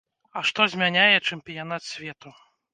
А што змяняе чэмпіянат свету?